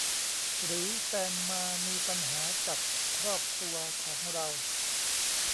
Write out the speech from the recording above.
หรือแฟนมามีปัญหากับครอบครัวของเรา